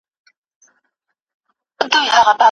موږ د انساني ټولنې چلند څېړو.